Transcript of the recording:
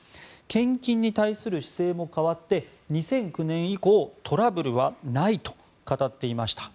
献金に対する姿勢も変わって２００９年以降トラブルはないと語っていました。